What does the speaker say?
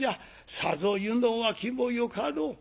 さぞ湯の沸きもよかろう。